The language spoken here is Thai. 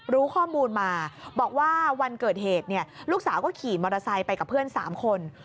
รู้ข้อมูลมาบอกว่าวันเกิดเหตุลูกสาวก็ขี่มอเตอร์ไซค์ไปกับเพื่อน๓คน